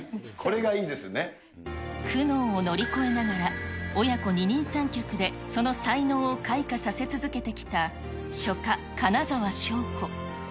苦悩を乗り越えながら、親子二人三脚でその才能を開花させ続けてきた書家、金澤翔子。